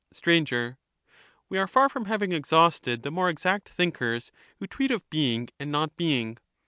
Str, We are far from having exhausted the more exact thinkers who treat of being and not being.